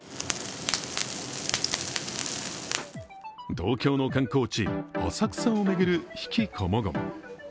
東京の観光地、浅草を巡る悲喜こもごも。